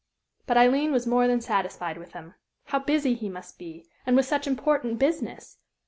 But Aileen was more than satisfied with them. How busy he must be, and with such important business!